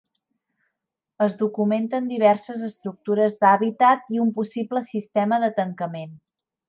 Es documenten diverses estructures d’hàbitat i un possible sistema de tancament.